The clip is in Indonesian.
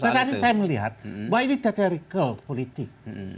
tetapi saya melihat bahwa ini teterical politik